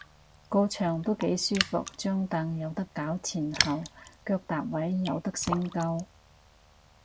個場都幾舒服，張櫈有得較前後，腳踏位有得升高